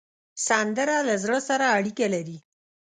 سندره له زړه سره اړیکه لري